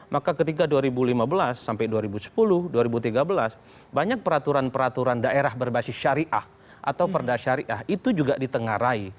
maka ketika dua ribu lima belas sampai dua ribu sepuluh dua ribu tiga belas banyak peraturan peraturan daerah berbasis syariah atau perda syariah itu juga ditengarai